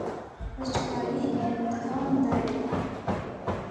وچکالي امتحان دی.